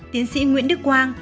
tiến sĩ nguyễn đức quang